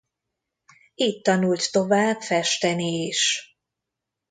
Itt tanult tovább festeni is.